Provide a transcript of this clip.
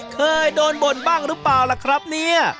เคยโดนบ่นบ้างหรือเปล่าล่ะครับเนี่ย